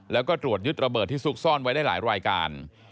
แล้วก็ตรวจยึดระเบิดที่ซุกซ่อนไว้ได้หลายรายการ